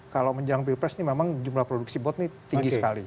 kalau menjelang pilpres ini memang jumlah produksi bot ini tinggi sekali